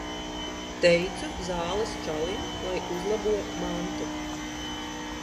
Teicu zāles čalim, lai uzlabo mantu.